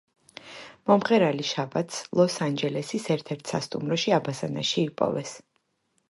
მომღერალი შაბათს ლოს ანჯელესის ერთ-ერთ სასტუმროში აბაზანაში იპოვეს.